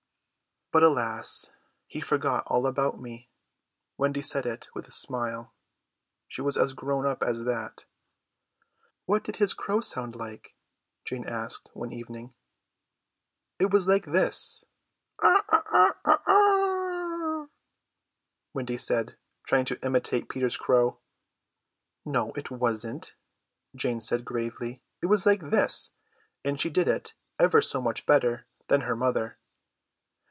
"But, alas, he forgot all about me," Wendy said it with a smile. She was as grown up as that. "What did his crow sound like?" Jane asked one evening. "It was like this," Wendy said, trying to imitate Peter's crow. "No, it wasn't," Jane said gravely, "it was like this;" and she did it ever so much better than her mother.